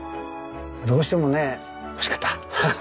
どうしてもね欲しかった。